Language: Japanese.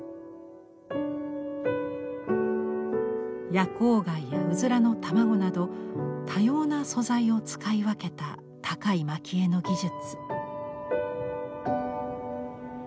夜光貝やウズラの卵など多様な素材を使い分けた高い蒔絵の技術。